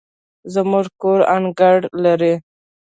زموږ کور انګړ لري